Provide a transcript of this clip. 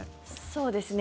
そうですね。